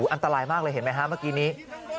อันตรายมากเลยเห็นไหมฮะเมื่อกี้นี้